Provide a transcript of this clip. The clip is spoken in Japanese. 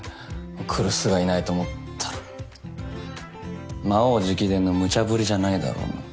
来栖がいないと思ったらちっ魔王直伝のむちゃぶりじゃないだろうな？